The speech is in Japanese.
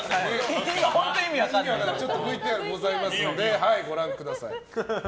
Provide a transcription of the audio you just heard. ＶＴＲございますのでご覧ください。